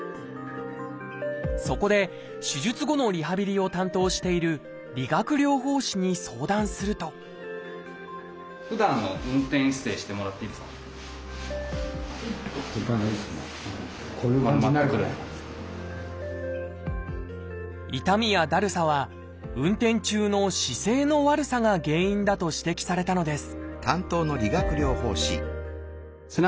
そこで手術後のリハビリを担当している理学療法士に相談すると痛みやだるさは運転中の姿勢の悪さが原因だと指摘されたのです